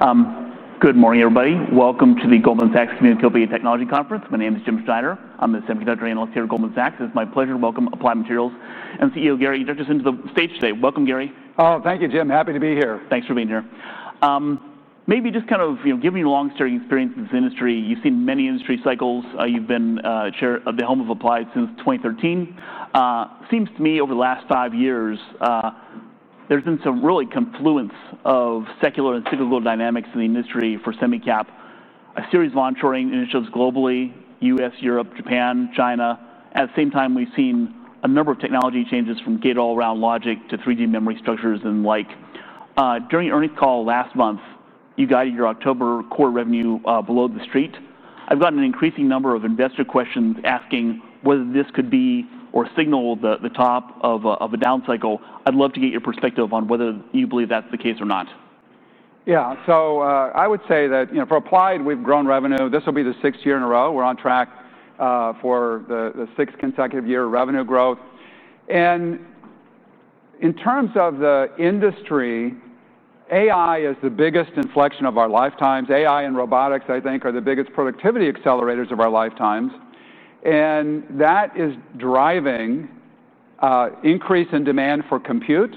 Okay, let's go. Good morning, everybody. Welcome to the Goldman Sachs Community Co-PA Technology Conference. My name is Jim Schneider. I'm a semiconductor analyst here at Goldman Sachs. It's my pleasure to welcome Applied Materials and CEO Gary Dickerson to the stage today. Welcome, Gary. Oh, thank you, Jim. Happy to be here. Thanks for being here. Maybe just kind of, you know, given your long-standing experience in this industry, you've seen many industry cycles. You've been the Chair of the home of Applied since 2013. Seems to me over the last five years, there's been some real confluence of secular and cyclical dynamics in the industry for semicap, a series of onshoring initiatives globally, U.S., Europe, Japan, China. At the same time, we've seen a number of technology changes from gate-all-around logic to 3D memory structures and the like. During the earnings call last month, you guided your October core revenue below the Street. I've gotten an increasing number of investor questions asking whether this could be or signal the top of a down cycle. I'd love to get your perspective on whether you believe that's the case or not. Yeah, I would say that, you know, for Applied, we've grown revenue. This will be the sixth year in a row. We're on track for the sixth consecutive year of revenue growth. In terms of the industry, AI is the biggest inflection of our lifetimes. AI and robotics, I think, are the biggest productivity accelerators of our lifetimes. That is driving an increase in demand for compute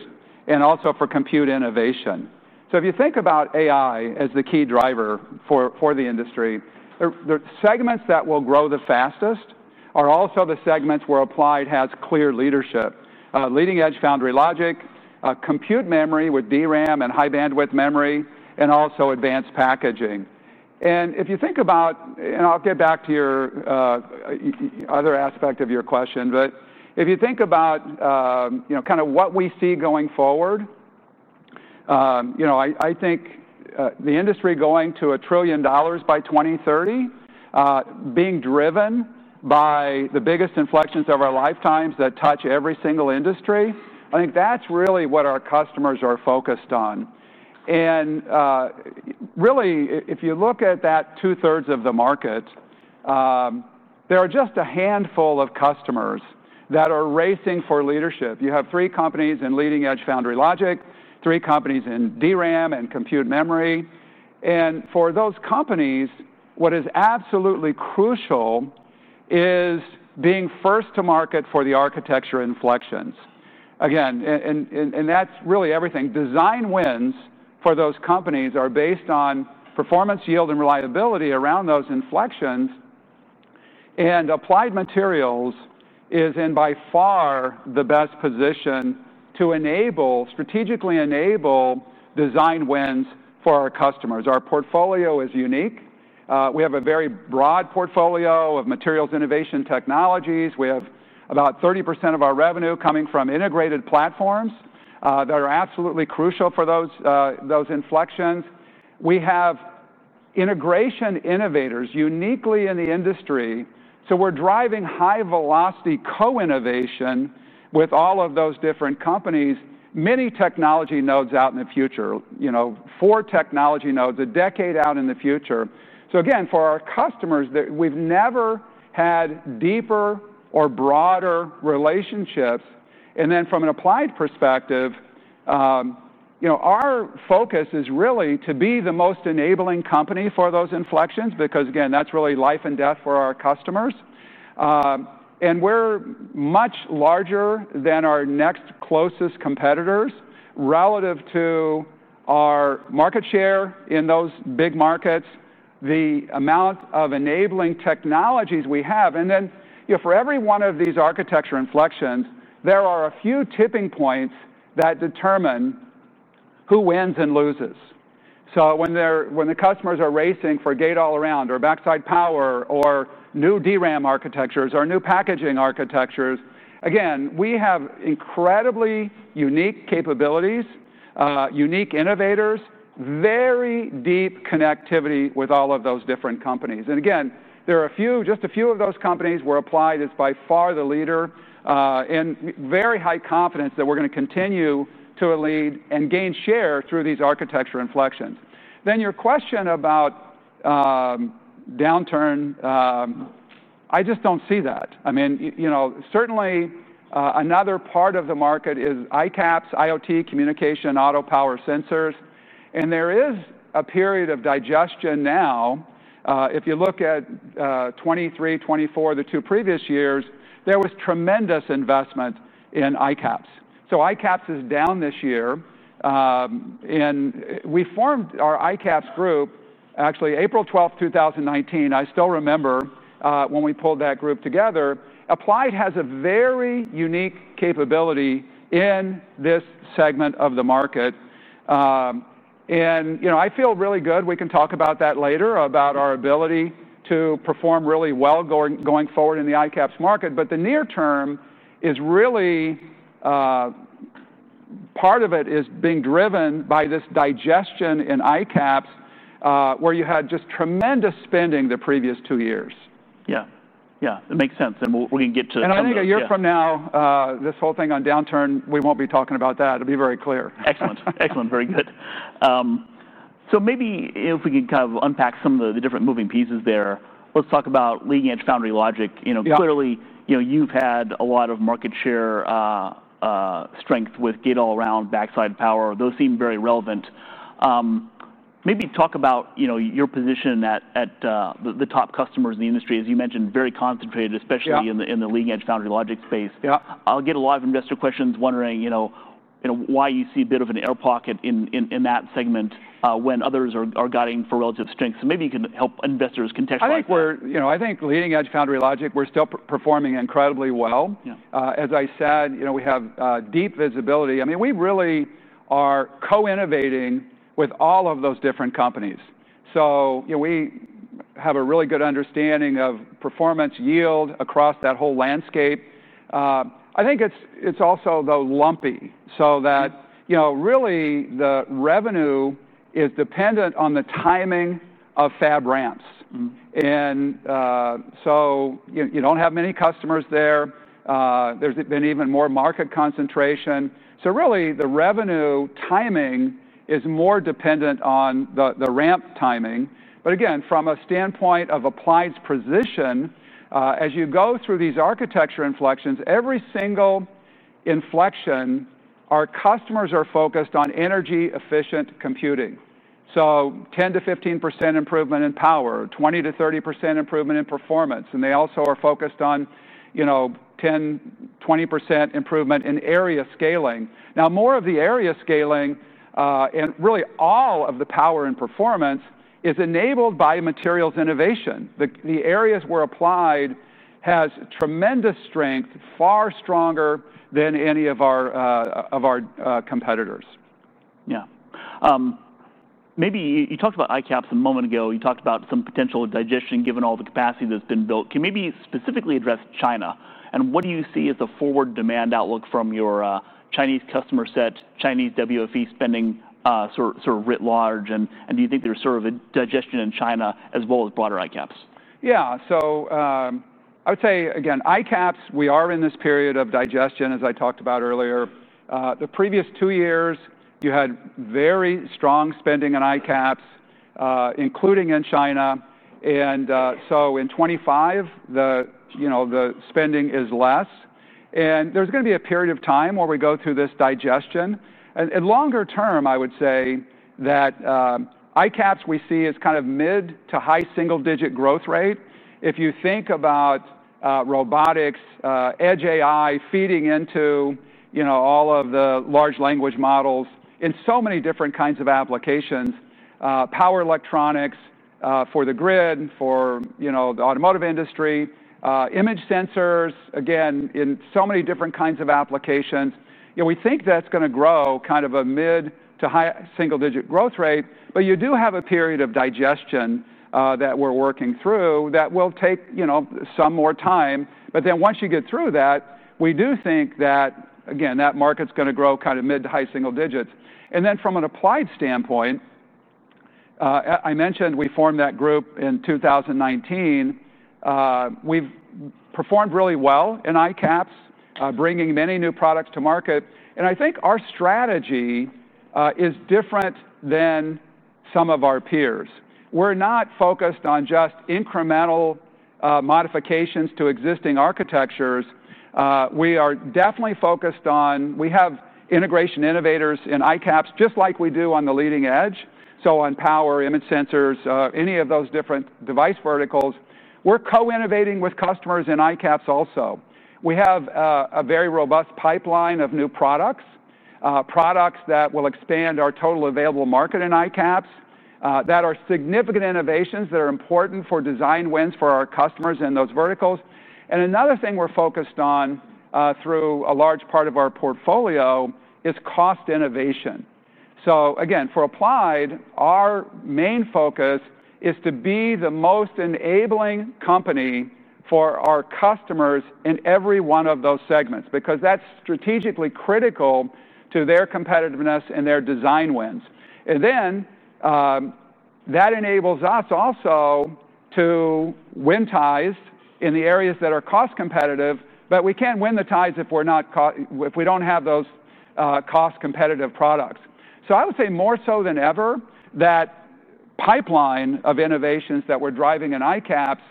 and also for compute innovation. If you think about AI as the key driver for the industry, the segments that will grow the fastest are also the segments where Applied has clear leadership: leading edge foundry logic, compute memory with DRAM and high-bandwidth memory, and also advanced packaging. If you think about what we see going forward, I think the industry going to a trillion dollars by 2030, being driven by the biggest inflections of our lifetimes that touch every single industry, that's really what our customers are focused on. Really, if you look at that, two-thirds of the market, there are just a handful of customers that are racing for leadership. You have three companies in leading edge foundry logic, three companies in DRAM and compute memory. For those companies, what is absolutely crucial is being first to market for the architecture inflections. That's really everything. Design wins for those companies are based on performance, yield, and reliability around those inflections. Applied Materials is in by far the best position to enable, strategically enable design wins for our customers. Our portfolio is unique. We have a very broad portfolio of materials innovation technologies. We have about 30% of our revenue coming from integrated platforms that are absolutely crucial for those inflections. We have integration innovators uniquely in the industry. We're driving high-velocity co-innovation with all of those different companies, many technology nodes out in the future, four technology nodes a decade out in the future. For our customers, we've never had deeper or broader relationships. From an Applied' s perspective, our focus is really to be the most enabling company for those inflections because that's really life and death for our customers. We are much larger than our next closest competitors relative to our market share in those big markets, the amount of enabling technologies we have. For every one of these architecture inflections, there are a few tipping points that determine who wins and loses. When the customers are racing for gate all-around or backside power or new DRAM architectures or new packaging architectures, we have incredibly unique capabilities, unique innovators, and very deep connectivity with all of those different companies. There are just a few of those companies where Applied is by far the leader, and I have very high confidence that we are going to continue to lead and gain share through these architecture inflections. Regarding your question about downturn, I just don't see that. Certainly, another part of the market is iCAPS: IoT, communication, auto, power, sensors. There is a period of digestion now. If you look at 2023 and 2024, the two previous years, there was tremendous investment in iCAPS. iCAPS is down this year. We formed our iCAPS group actually April 12, 2019. I still remember when we pulled that group together. Applied has a very unique capability in this segment of the market. I feel really good. We can talk about that later, about our ability to perform really well going forward in the iCAPS market. The near term is really part of it being driven by this digestion in iCAPS, where you had just tremendous spending the previous two years. Yeah, yeah, that makes sense. We can get to. I think a year from now, this whole thing on downturn, we won't be talking about that. It'll be very clear. Excellent, excellent. Very good. Maybe if we can kind of unpack some of the different moving pieces there, let's talk about leading edge foundry logic. Clearly, you've had a lot of market share strength with Gate-All-Around, backside power. Those seem very relevant. Maybe talk about your position at the top customers in the industry. As you mentioned, very concentrated, especially in the leading edge foundry logic space. I get a lot of investor questions wondering why you see a bit of an air pocket in that segment when others are guiding for relative strength. Maybe you can help investors contextualize. I think leading edge foundry logic, we're still performing incredibly well. As I said, we have deep visibility. I mean, we really are co-innovating with all of those different companies. We have a really good understanding of performance, yield across that whole landscape. I think it's also lumpy so that really the revenue is dependent on the timing of fab ramps. You don't have many customers there. There's been even more market concentration. Really the revenue timing is more dependent on the ramp timing. Again, from a standpoint of Applied's position, as you go through these architecture inflections, every single inflection, our customers are focused on energy-efficient computing. 10%- 15% improvement in power, 20%- 30% improvement in performance. They also are focused on 10%- 20% improvement in area scaling. Now more of the area scaling and really all of the power and performance is enabled by materials innovation. The areas where Applied has tremendous strength, far stronger than any of our competitors. Yeah. You talked about iCAPS a moment ago. You talked about some potential digestion given all the capacity that's been built. Can you specifically address China? What do you see as a forward demand outlook from your Chinese customer set, Chinese WFE spending writ large? Do you think there's a digestion in China as well as broader iCAPS? Yeah, so I would say again, iCAPS, we are in this period of digestion, as I talked about earlier. The previous two years, you had very strong spending in iCAPS, including in China. In 2025, the spending is less. There is going to be a period of time where we go through this digestion. Longer term, I would say that iCAPS we see is kind of mid to high single-digit growth rate. If you think about robotics, edge AI feeding into, you know, all of the large language models in so many different kinds of applications, power electronics for the grid, for, you know, the automotive industry, image sensors, again, in so many different kinds of applications. We think that's going to grow kind of a mid to high single-digit growth rate. You do have a period of digestion that we're working through that will take, you know, some more time. Once you get through that, we do think that, again, that market's going to grow kind of mid to high single digits. From an Applied standpoint, I mentioned we formed that group in 2019. We've performed really well in iCAPS, bringing many new products to market. I think our strategy is different than some of our peers. We're not focused on just incremental modifications to existing architectures. We are definitely focused on, we have integration innovators in iCAPS just like we do on the leading edge. On power, image sensors, any of those different device verticals, we're co-innovating with customers in iCAPS also. We have a very robust pipeline of new products, products that will expand our total available market in iCAPS that are significant innovations that are important for design wins for our customers in those verticals. Another thing we're focused on through a large part of our portfolio is cost innovation. For Applied, our main focus is to be the most enabling company for our customers in every one of those segments because that's strategically critical to their competitiveness and their design wins. That enables us also to win ties in the areas that are cost competitive. We can't win the ties if we don't have those cost competitive products. I would say more so than ever that pipeline of innovations that we're driving in iCAPS,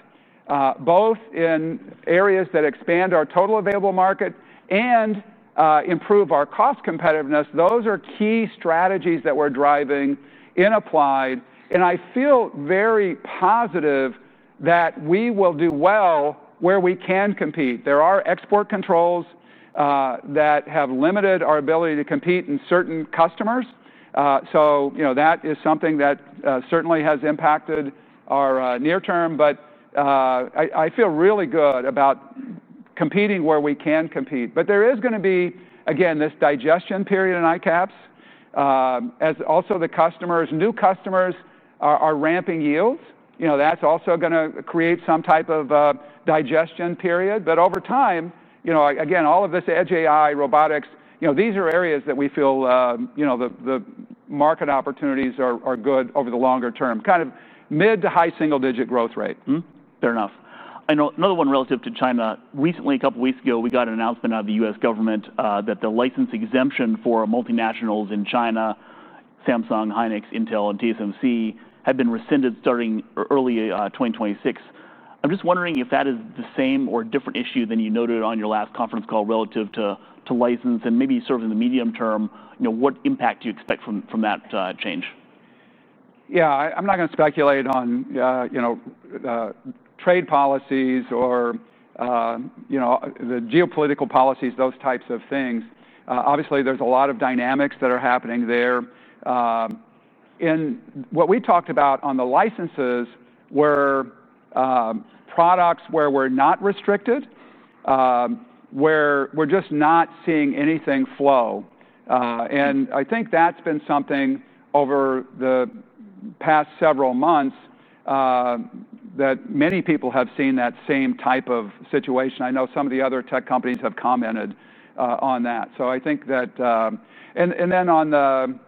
both in areas that expand our total available market and improve our cost competitiveness, those are key strategies that we're driving in Applied. I feel very positive that we will do well where we can compete. There are export controls that have limited our ability to compete in certain customers. That is something that certainly has impacted our near term. I feel really good about competing where we can compete. There is going to be, again, this digestion period in iCAPS as also the customers, new customers are ramping yields. That's also going to create some type of digestion period. Over time, again, all of this edge AI, robotics, these are areas that we feel the market opportunities are good over the longer term, kind of mid to high single-digit growth rate. Fair enough. I know another one relative to China. Recently, a couple of weeks ago, we got an announcement out of the U.S. government that the license exemption for multinationals in China, Samsung, SK hynix, Intel, and TSMC had been rescinded starting early 2026. I'm just wondering if that is the same or different issue than you noted on your last conference call relative to license and maybe serve in the medium term. You know, what impact do you expect from that change? I'm not going to speculate on, you know, trade policies or, you know, the geopolitical policies, those types of things. Obviously, there's a lot of dynamics that are happening there. What we talked about on the licenses were products where we're not restricted, where we're just not seeing anything flow. I think that's been something over the past several months that many people have seen, that same type of situation. I know some of the other tech companies have commented on that. I think that, and then on the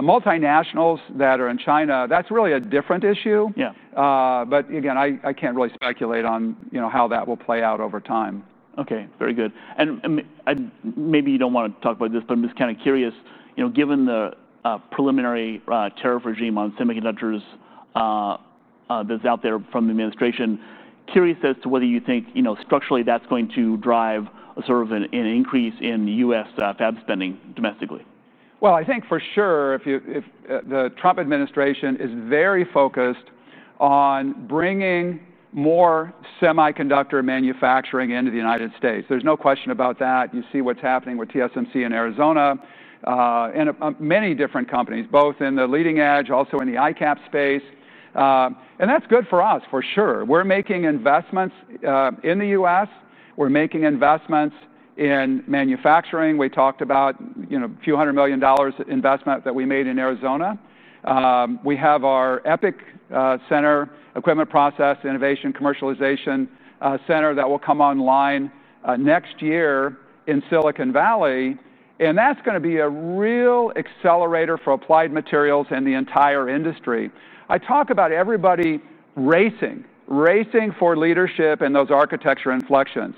multinationals that are in China, that's really a different issue. Yeah. I can't really speculate on, you know, how that will play out over time. Okay, very good. Maybe you don't want to talk about this, but I'm just kind of curious, given the preliminary tariff regime on semiconductors that's out there from the administration, curious as to whether you think structurally that's going to drive a sort of an increase in the U.S. fab spending domestically. I think for sure the Trump administration is very focused on bringing more semiconductor manufacturing into the U.S. There's no question about that. You see what's happening with TSMC in Arizona and many different companies, both in the leading edge, also in the iCAPS space. That's good for us for sure. We're making investments in the U.S. We're making investments in manufacturing. We talked about a few hundred million dollars investment that we made in Arizona. We have our EPIC Center, Equipment Process Innovation Commercialization Center, that will come online next year in Silicon Valley. That's going to be a real accelerator for Applied Materials and the entire industry. I talk about everybody racing, racing for leadership in those architecture inflections.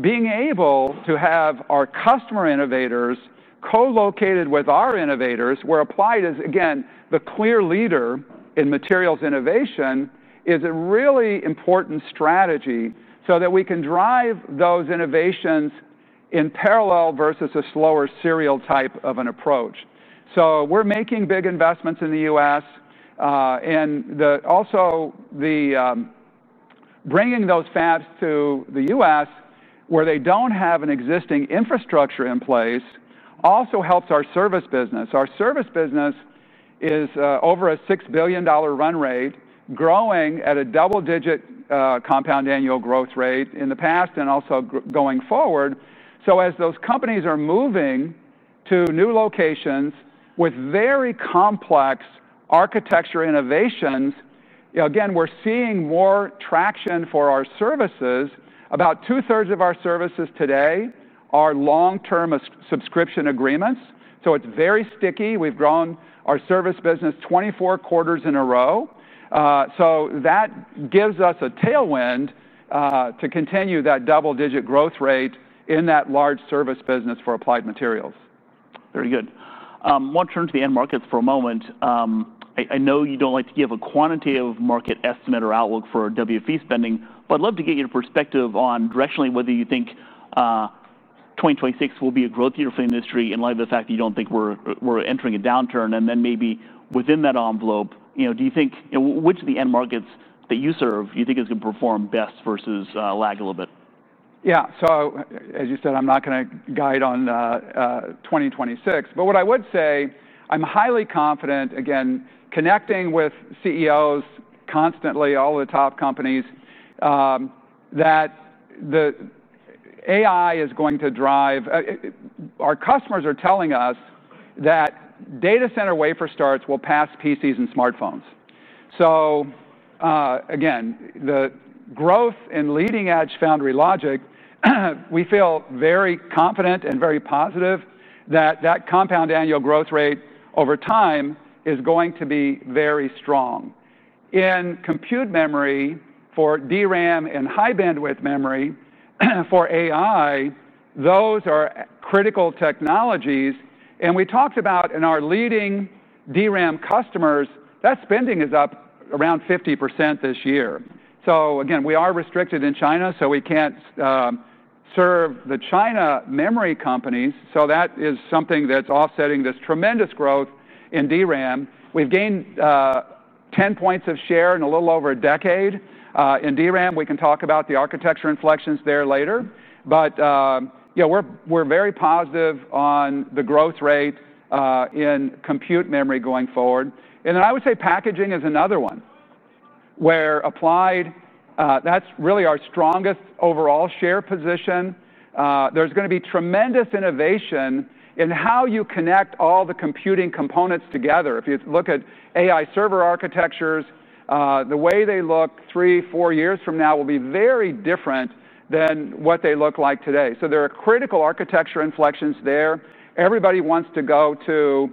Being able to have our customer innovators co-located with our innovators where Applied is, again, the clear leader in materials innovation is a really important strategy so that we can drive those innovations in parallel versus a slower serial type of an approach. We're making big investments in the U.S. and also bringing those fabs to the U.S. where they don't have an existing infrastructure in place also helps our service business. Our service business is over a $6 billion run rate, growing at a double-digit compound annual growth rate in the past and also going forward. As those companies are moving to new locations with very complex architecture innovations, again, we're seeing more traction for our services. About two-thirds of our services today are long-term subscription agreements, so it's very sticky. We've grown our service business 24 quarters in a row. That gives us a tailwind to continue that double-digit growth rate in that large service business for Applied Materials. Very good. I want to turn to the end markets for a moment. I know you don't like to give a quantitative market estimate or outlook for WFE spending, but I'd love to get your perspective on directionally whether you think 2026 will be a growth year for the industry in light of the fact that you don't think we're entering a downturn. Within that envelope, do you think which of the end markets that you serve is going to perform best versus lag a little bit? Yeah, as you said, I'm not going to guide on 2026, but what I would say, I'm highly confident, again, connecting with CEOs constantly, all the top companies, that the AI is going to drive. Our customers are telling us that data center wafer starts will pass PCs and smartphones. The growth in leading edge foundry logic, we feel very confident and very positive that the compound annual growth rate over time is going to be very strong. In compute memory for DRAM and high-bandwidth memory for AI, those are critical technologies. We talked about in our leading DRAM customers, that spending is up around 50% this year. We are restricted in China, so we can't serve the China memory companies. That is something that's offsetting this tremendous growth in DRAM. We've gained 10 points of share in a little over a decade in DRAM. We can talk about the architecture inflections there later. We're very positive on the growth rate in compute memory going forward. Packaging is another one where Applied, that's really our strongest overall share position. There's going to be tremendous innovation in how you connect all the computing components together. If you look at AI server architectures, the way they look three, four years from now will be very different than what they look like today. There are critical architecture inflections there. Everybody wants to go to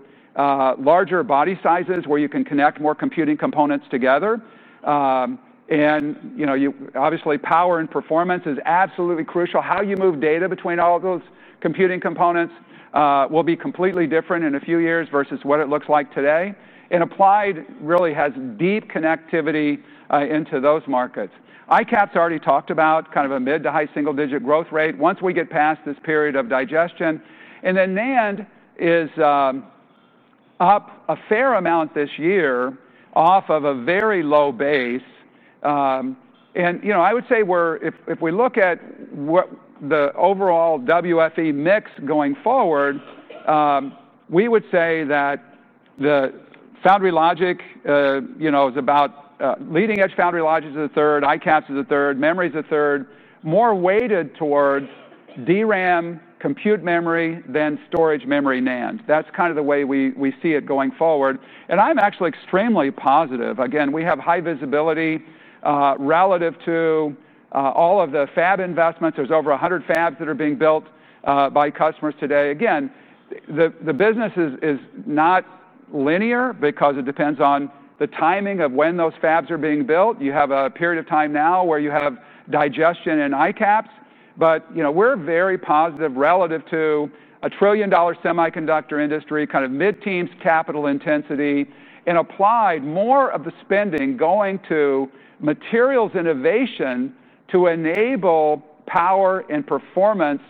larger body sizes where you can connect more computing components together. Obviously, power and performance is absolutely crucial. How you move data between all those computing components will be completely different in a few years versus what it looks like today. Applied really has deep connectivity into those markets. iCAPS already talked about kind of a mid to high single-digit growth rate once we get past this period of digestion. NAND is up a fair amount this year off of a very low base. If we look at the overall WFE mix going forward, we would say that the foundry logic, leading edge foundry logic is a third, iCAPS is a third, memory is a third, more weighted towards DRAM, compute memory, then storage memory, NAND. That's kind of the way we see it going forward. I'm actually extremely positive. We have high visibility relative to all of the fab investments. There's over 100 fabs that are being built by customers today. The business is not linear because it depends on the timing of when those fabs are being built. You have a period of time now where you have digestion in iCAPS. We're very positive relative to a trillion-dollar semiconductor industry, kind of mid-teens capital intensity, and Applied, more of the spending going to materials innovation to enable power and performance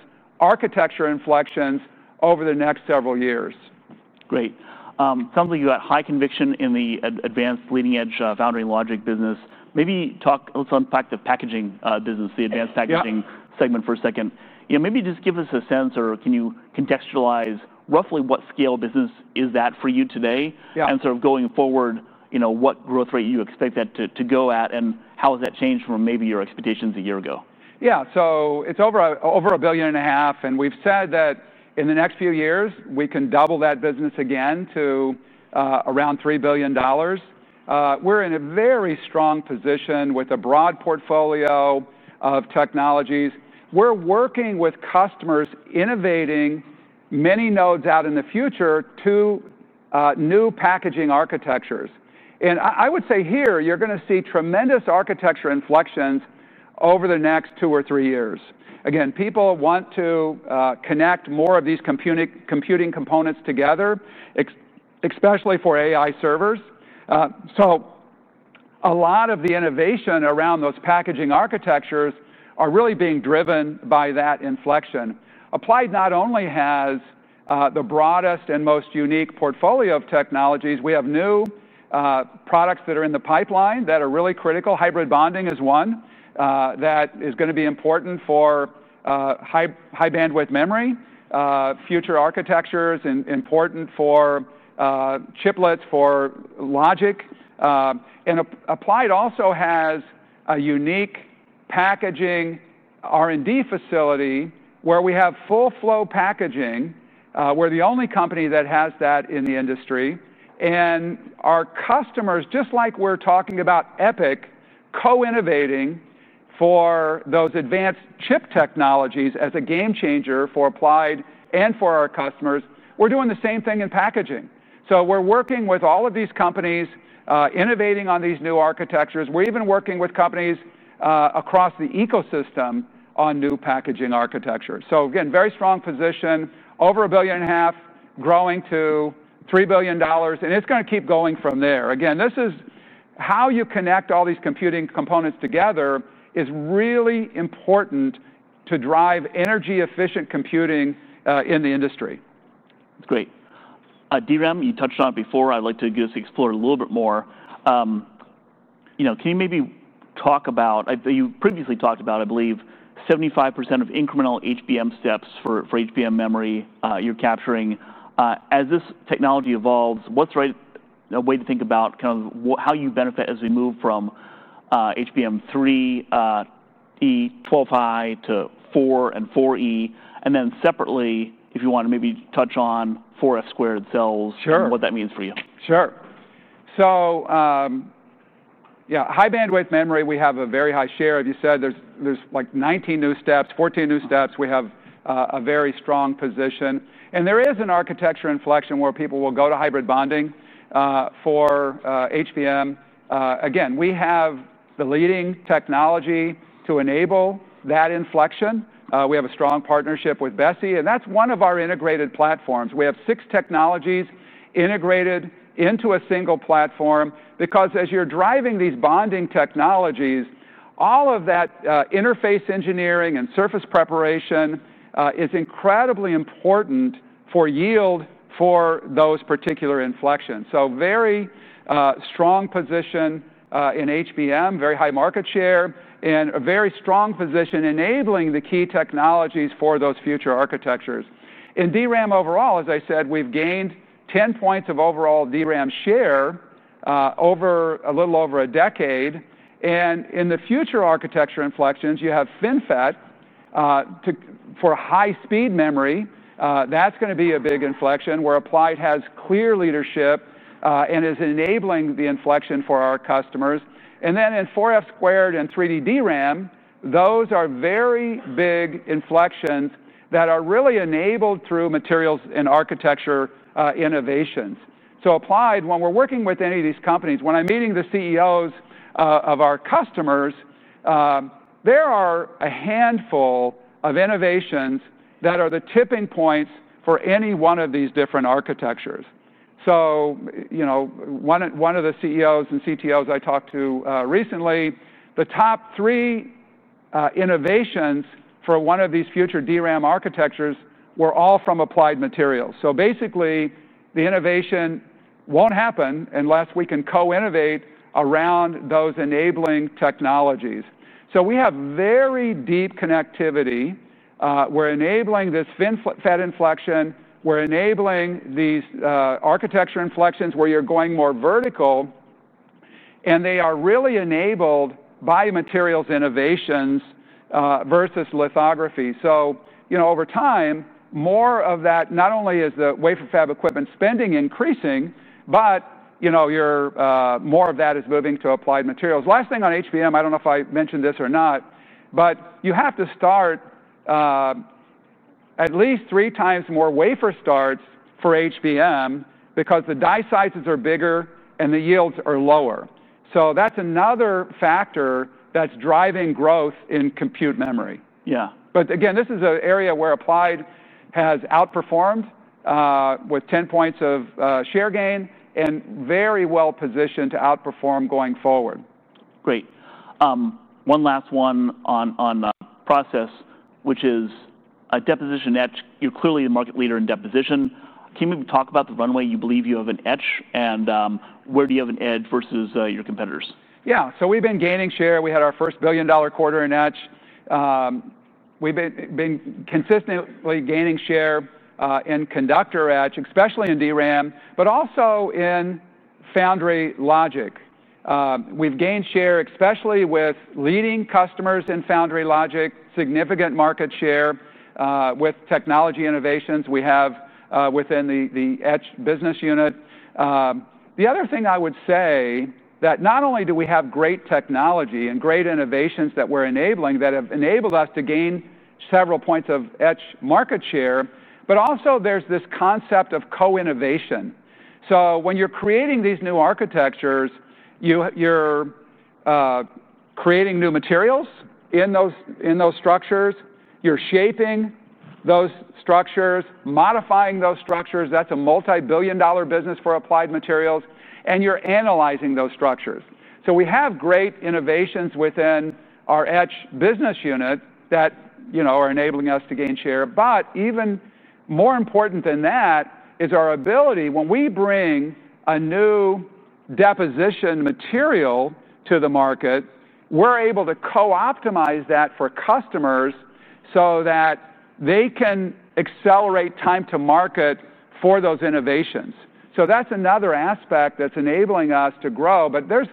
architecture inflections over the next several years. Great. Sounds like you got high conviction in the advanced leading-edge foundry logic business. Maybe talk, let's unpack the advanced packaging segment for a second. Maybe just give us a sense, or can you contextualize roughly what scale business is that for you today? Yeah. Going forward, you know, what growth rate you expect that to go at and how has that changed from maybe your expectations a year ago? Yeah, so it's over $1.5 billion. We've said that in the next few years, we can double that business again to around $3 billion. We're in a very strong position with a broad portfolio of technologies. We're working with customers innovating many nodes out in the future to new packaging architectures. I would say here you're going to see tremendous architecture inflections over the next two or three years. People want to connect more of these computing components together, especially for AI servers. A lot of the innovation around those packaging architectures is really being driven by that inflection. Applied not only has the broadest and most unique portfolio of technologies, we have new products that are in the pipeline that are really critical. Hybrid bonding is one that is going to be important for high-bandwidth memory, future architectures, and important for chiplets for logic. Applied also has a unique packaging R&D facility where we have full-flow packaging. We're the only company that has that in the industry. Our customers, just like we're talking about EPIC co-innovating for those advanced chip technologies as a game changer for Applied and for our customers, we're doing the same thing in packaging. We're working with all of these companies, innovating on these new architectures. We're even working with companies across the ecosystem on new packaging architectures. Very strong position, over $1.5 billion, growing to $3 billion, and it's going to keep going from there. This is how you connect all these computing components together, which is really important to drive energy-efficient computing in the industry. Great. DRAM, you touched on it before. I'd like to just explore it a little bit more. Can you maybe talk about, you previously talked about, I believe, 75% of incremental high-bandwidth memory steps for high-bandwidth memory you're capturing. As this technology evolves, what's a way to think about kind of how you benefit as we move from high-bandwidth memory 3E 12 high to 4 and 4E? If you want to maybe touch on 4F squared cells, what that means for you. Sure. So yeah, high-bandwidth memory, we have a very high share. As you said, there's like 19 new steps, 14 new steps. We have a very strong position. There is an architecture inflection where people will go to hybrid bonding for high-bandwidth memory. We have the leading technology to enable that inflection. We have a strong partnership with BESI, and that's one of our integrated platforms. We have six technologies integrated into a single platform because as you're driving these bonding technologies, all of that interface engineering and surface preparation is incredibly important for yield for those particular inflections. Very strong position in high-bandwidth memory, very high market share, and a very strong position enabling the key technologies for those future architectures. In DRAM overall, as I said, we've gained 10 points of overall DRAM share over a little over a decade. In the future architecture inflections, you have FinFET for high-speed memory. That's going to be a big inflection where Applied has clear leadership and is enabling the inflection for our customers. In 4F squared and 3D DRAM, those are very big inflections that are really enabled through materials and architecture innovations. Applied, when we're working with any of these companies, when I'm meeting the CEOs of our customers, there are a handful of innovations that are the tipping points for any one of these different architectures. One of the CEOs and CTOs I talked to recently, the top three innovations for one of these future DRAM architectures were all from Applied Materials. Basically, the innovation won't happen unless we can co-innovate around those enabling technologies. We have very deep connectivity. We're enabling this FinFET inflection. We're enabling these architecture inflections where you're going more vertical. They are really enabled by materials innovations versus lithography. Over time, not only is the wafer fab equipment spending increasing, but more of that is moving to Applied Materials. Last thing on high-bandwidth memory, I don't know if I mentioned this or not, but you have to start at least three times more wafer starts for high-bandwidth memory because the die sizes are bigger and the yields are lower. That's another factor that's driving growth in compute memory. Yeah. This is an area where Applied has outperformed with 10% of share gain and is very well positioned to outperform going forward. Great. One last one on process, which is deposition edge. You're clearly the market leader in deposition. Can you maybe talk about the runway you believe you have in edge and where do you have an edge versus your competitors? Yeah, we've been gaining share. We had our first $1 billion quarter in edge. We've been consistently gaining share in conductor edge, especially in DRAM, but also in foundry logic. We've gained share, especially with leading customers in foundry logic, significant market share with technology innovations we have within the edge business unit. The other thing I would say is that not only do we have great technology and great innovations that we're enabling that have enabled us to gain several points of edge market share, there's this concept of co-innovation. When you're creating these new architectures, you're creating new materials in those structures. You're shaping those structures, modifying those structures. That's a multi-billion-dollar business for Applied Materials. You're analyzing those structures. We have great innovations within our edge business unit that are enabling us to gain share. Even more important than that is our ability, when we bring a new deposition material to the market, we're able to co-optimize that for customers so that they can accelerate time to market for those innovations. That's another aspect that's enabling us to grow. There's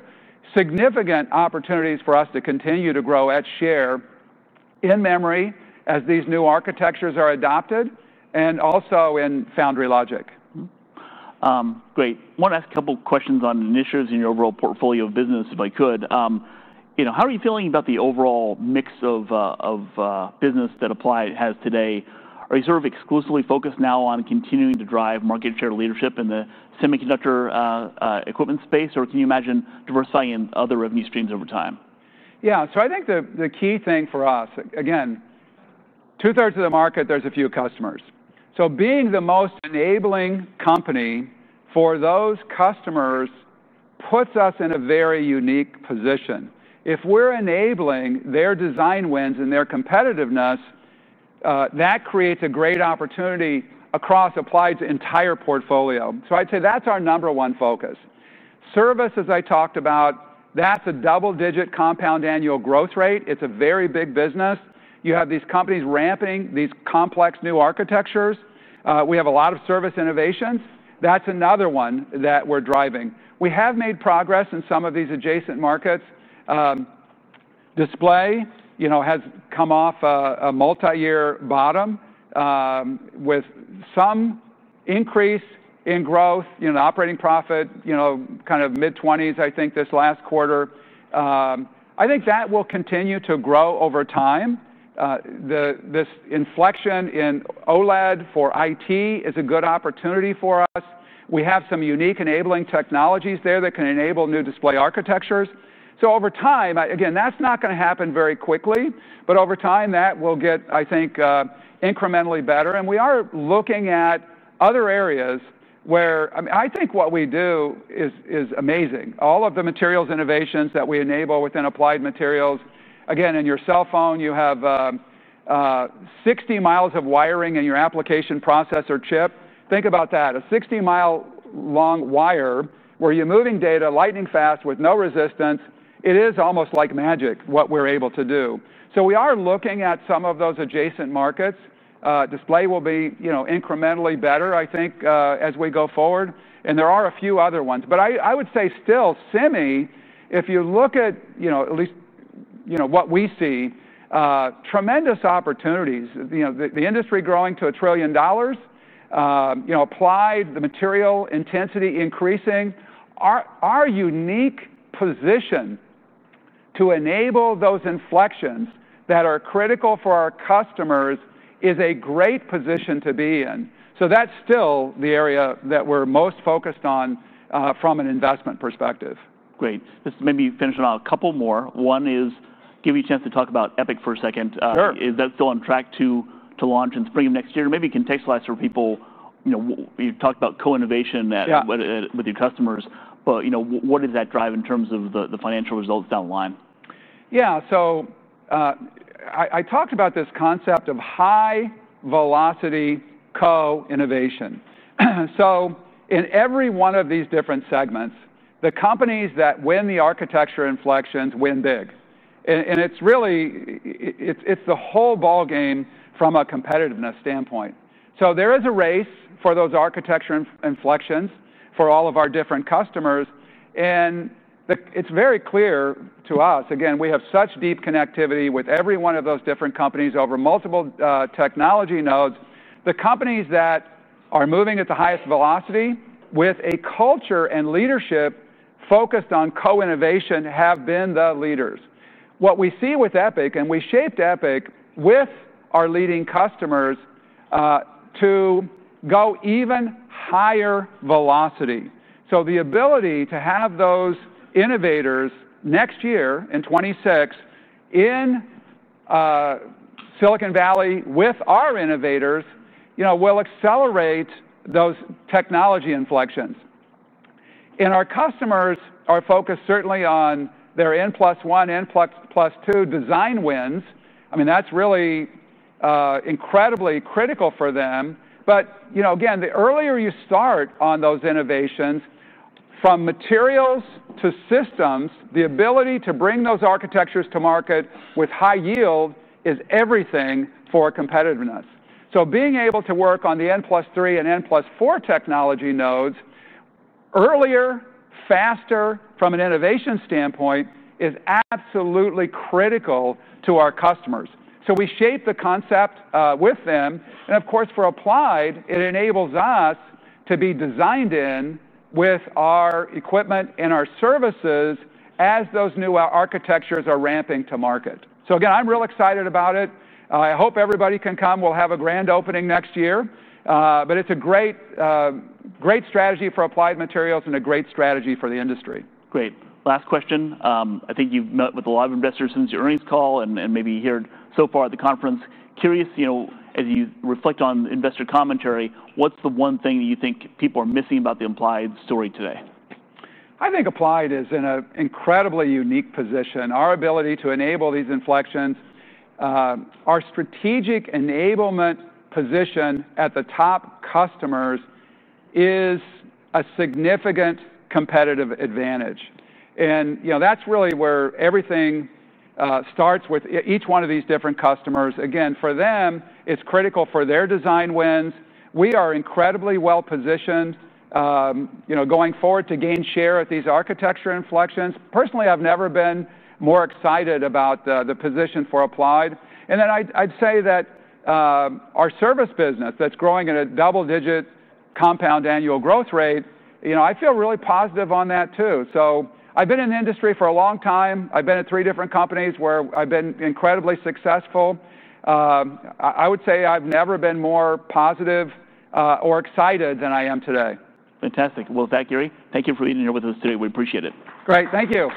significant opportunities for us to continue to grow edge share in memory as these new architectures are adopted and also in foundry logic. Great. One last couple of questions on initiatives in your overall portfolio of business, if I could. You know, how are you feeling about the overall mix of business that Applied has today? Are you sort of exclusively focused now on continuing to drive market share leadership in the semiconductor equipment space, or can you imagine diversifying in other revenue streams over time? Yeah, so I think the key thing for us, again, two-thirds of the market, there's a few customers. Being the most enabling company for those customers puts us in a very unique position. If we're enabling their design wins and their competitiveness, that creates a great opportunity across Applied' s entire portfolio. I'd say that's our number one focus. Service, as I talked about, that's a double-digit compound annual growth rate. It's a very big business. You have these companies ramping these complex new architectures. We have a lot of service innovations. That's another one that we're driving. We have made progress in some of these adjacent markets. Display has come off a multi-year bottom with some increase in growth, operating profit, kind of mid-20s %, I think this last quarter. I think that will continue to grow over time. This inflection in OLED for IT is a good opportunity for us. We have some unique enabling technologies there that can enable new display architectures. Over time, again, that's not going to happen very quickly, but over time that will get, I think, incrementally better. We are looking at other areas where, I mean, I think what we do is amazing. All of the materials innovations that we enable within Applied Materials, again, in your cell phone, you have 60 miles of wiring in your application processor chip. Think about that, a 60-mile-long wire where you're moving data lightning fast with no resistance. It is almost like magic what we're able to do. We are looking at some of those adjacent markets. Display will be incrementally better, I think, as we go forward. There are a few other ones. I would say still, semi, if you look at, at least, you know, what we see, tremendous opportunities, the industry growing to a trillion dollars, Applied, the material intensity increasing. Our unique position to enable those inflections that are critical for our customers is a great position to be in. That's still the area that we're most focused on from an investment perspective. Great. Just maybe finishing on a couple more. One is giving you a chance to talk about EPIC Center for a second. Sure. Is that still on track to launch in spring of next year? Maybe you can contextualize for people, you know, you talked about co-innovation with your customers, but what does that drive in terms of the financial results down the line? Yeah, so I talked about this concept of high-velocity co-innovation. In every one of these different segments, the companies that win the architecture inflections win big. It's really the whole ballgame from a competitiveness standpoint. There is a race for those architecture inflections for all of our different customers. It's very clear to us, again, we have such deep connectivity with every one of those different companies over multiple technology nodes. The companies that are moving at the highest velocity with a culture and leadership focused on co-innovation have been the leaders. What we see with EPIC, and we shaped EPIC with our leading customers to go even higher velocity. The ability to have those innovators next year in 2026 in Silicon Valley with our innovators will accelerate those technology inflections. Our customers are focused certainly on their N plus one, N plus two design wins. That's really incredibly critical for them. The earlier you start on those innovations from materials to systems, the ability to bring those architectures to market with high yield is everything for competitiveness. Being able to work on the N plus three and N plus four technology nodes earlier, faster from an innovation standpoint is absolutely critical to our customers. We shape the concept with them. Of course, for Applied, it enables us to be designed in with our equipment and our services as those new architectures are ramping to market. I'm real excited about it. I hope everybody can come. We'll have a grand opening next year. It's a great strategy for Applied Materials and a great strategy for the industry. Great. Last question. I think you've met with a lot of investors since your earnings call and maybe you heard so far at the conference. Curious, you know, as you reflect on investor commentary, what's the one thing that you think people are missing about the Applied story today? I think Applied is in an incredibly unique position. Our ability to enable these inflections, our strategic enablement position at the top customers, is a significant competitive advantage. That's really where everything starts with each one of these different customers. For them, it's critical for their design wins. We are incredibly well positioned going forward to gain share at these architecture inflections. Personally, I've never been more excited about the position for Applied. I'd say that our service business that's growing at a double-digit compound annual growth rate, I feel really positive on that too. I've been in the industry for a long time. I've been at three different companies where I've been incredibly successful. I would say I've never been more positive or excited than I am today. Fantastic. Thank you, Gary. Thank you for meeting here with us today. We appreciate it. Great. Thank you.